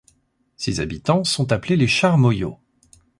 Ses habitants sont appelés les Charmoillots.